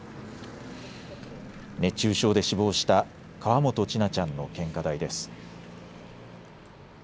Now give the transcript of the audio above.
熱中症で死亡した河本千奈ちゃんの献花台です。